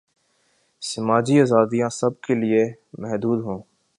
سماجی آزادیاں سب کیلئے محدود ہوں۔